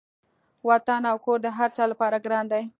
وطن او کور د هر چا لپاره ګران دی.